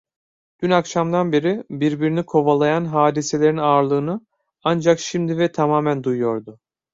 Dün akşamdan beri birbirini kovalayan hadiselerin ağırlığını ancak şimdi ve tamamen duyuyordu.